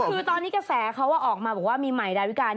คือตอนนี้กระแสเขาออกมาบอกว่ามีใหม่ดาวิกา